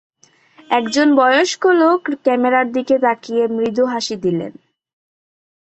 একজন বয়স্ক লোক ক্যামেরার দিকে তাকিয়ে মৃদু হাসি দিলেন।